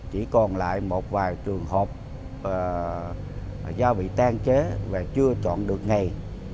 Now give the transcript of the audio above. chỉ còn lại một vài trường hợp do bị tan chế và chưa chọn được ngày